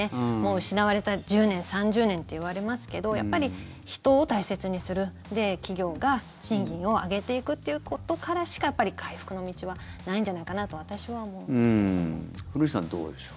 失われた１０年、３０年といわれますけどやっぱり人を大切にする企業が賃金を上げていくっていうことからしかやっぱり回復の道はないんじゃないかなと古市さん、どうでしょう。